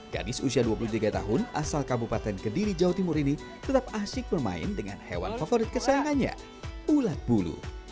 gadis usia dua puluh tiga tahun asal kabupaten kediri jawa timur ini tetap asyik bermain dengan hewan favorit kesayangannya ulat bulu